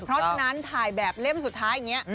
เพราะฉะนั้นถ่ายแบบเล่มสุดท้ายอย่างนี้